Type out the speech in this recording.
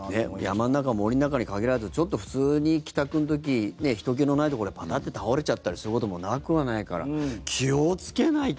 山の中、森の中に限らずちょっと普通に帰宅の時ひとけのないところでパタッて倒れちゃったりすることもなくはないから気をつけないと。